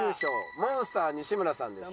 モンスター西村さんです。